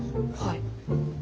はい。